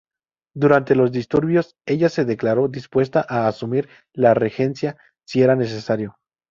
Durante los disturbios, ella se declaró dispuesta a asumir la regencia si era necesario.